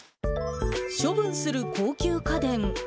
処分する高級家電。